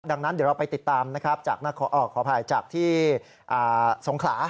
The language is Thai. ดังนั้นเดี๋ยวเราไปติดตามนะครับจากขออภัยจากที่สงขลา